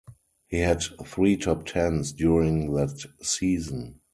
He had three top-tens during that season.